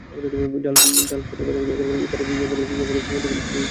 ঝাল পদের পাশাপাশি এখানকার ইফতারের মিষ্টি পদগুলোর চাহিদাও রয়েছে ক্রেতাদের কাছে।